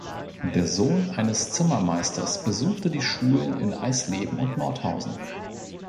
Der Sohn eines Zimmermeisters besuchte die Schulen in Eisleben und Nordhausen.